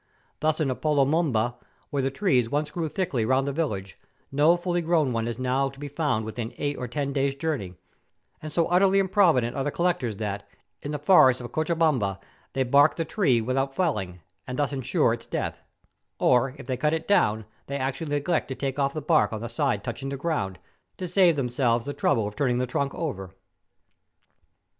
Thus in Apollobamba, where the trees once grew thickly round the village, no full grown one is now to be found within eight or ten days' journey, and so utterly improvident are the collectors that, in the forests of Cochabamba they bark the tree without felling, and thus ensure its death; or, if they cut it down, they actually neglect to take off* the bark on the side touching the ground, to save themselves the trouble of turning the trunk over.